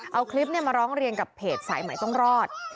เอาคลิปมาร้องเรียนกับเพจสายใหม่ต้องรอด